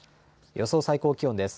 予想最高気温です。